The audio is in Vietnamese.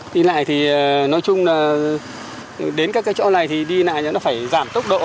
đi lại thì nói chung là đến các cái chỗ này thì đi lại nó phải giảm tốc độ